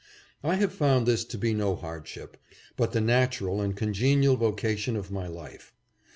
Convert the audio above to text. I have found this to be no hardship, but the natural and congenial vocation of my life.